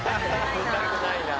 見たくないな。